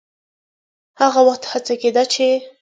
هغه وخت هڅه کېده چې